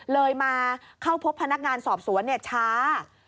เลยมาเข้าพบพนักงานสอบสวนช้า